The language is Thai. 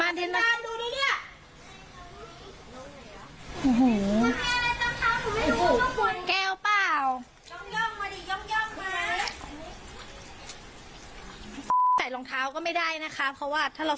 เราต้องใช้วิชาตัวเบานะคะในการเดินเข้าออกบ้าน